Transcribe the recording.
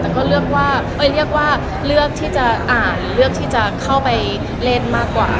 แต่ก็เลือกว่าเรียกว่าเลือกที่จะอ่านเลือกที่จะเข้าไปเล่นมากกว่า